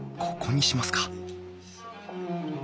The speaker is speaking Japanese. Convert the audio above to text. ここにしますか！